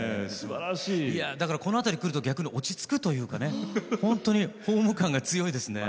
だから、この辺り来ると逆に落ち着くというか本当にホーム感が強いですね。